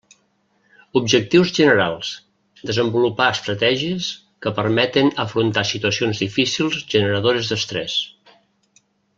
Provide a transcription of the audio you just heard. Objectius generals: desenvolupar estratègies que permeten afrontar situacions difícils generadores d'estrés.